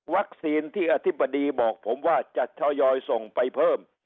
วัคซีนที่อธิบดีบอกผมว่าจะช่วยยอยส่งไปเพิ่ม